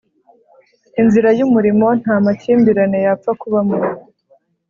inzira yumurimo ntamakimbirane yapfa kubamo